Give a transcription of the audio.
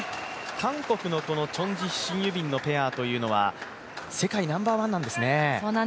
韓国のチョン・ジヒシン・ユビンのペアというのは世界ナンバーワンなんですね。